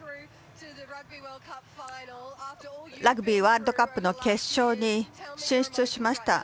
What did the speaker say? ラグビーワールドカップの決勝に進出しました。